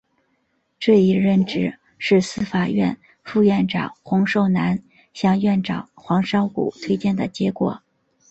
这一任职是司法院副院长洪寿南向院长黄少谷推荐的结果。